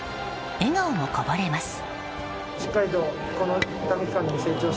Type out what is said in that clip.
笑顔もこぼれます。